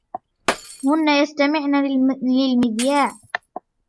هن يستمعن للمذياع.